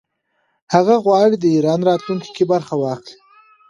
هغه غواړي د ایران راتلونکې کې برخه ولري.